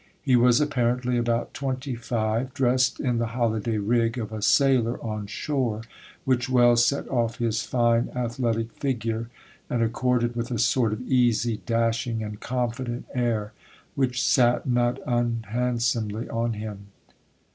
He was apparently about twenty five, dressed in the holiday rig of a sailor on shore, which well set off his fine athletic figure, and accorded with a sort of easy, dashing, and confident air which sat not unhandsomely on him.